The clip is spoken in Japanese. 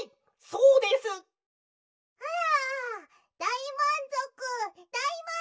だいまんぞくだいまんぞく！」。